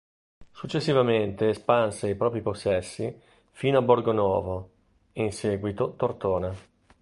Successivamente espanse i propri possessi fino a Borgonovo e, in seguito, Tortona.